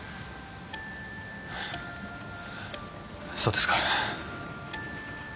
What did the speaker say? ハァそうですか。